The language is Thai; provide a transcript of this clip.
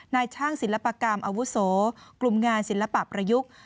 นายช่างศิลปกรรมอาวุโสกลุ่มงานศิลปะประยุกต์